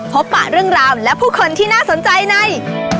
ปะเรื่องราวและผู้คนที่น่าสนใจใน